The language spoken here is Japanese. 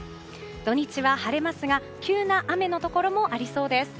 土日は晴れますが急な雨のところもありそうです。